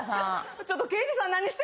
ちょっと刑事さん何してるんですか？